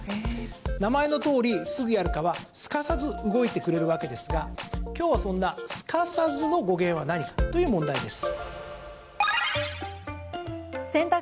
名前のとおり、すぐやる課はすかさず動いてくれるわけですが今日はそんな、すかさずの語源は何かという問題です。